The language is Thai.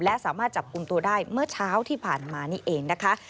และสามารถจับกลุ่มตัวได้เมื่อเช้าที่ผ่านมานี่เองนะคะ